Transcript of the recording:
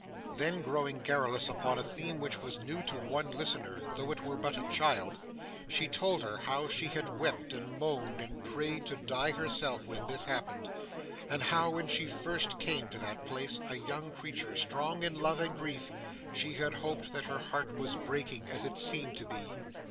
Then growing garrulous upon a theme which was new to one listener though it were but a child, she told her how she had wept and moaned and prayed to die herself, when this happened; and how when she first came to that place, a young creature strong in love and grief, she had hoped that her heart was breaking as it seemed to be.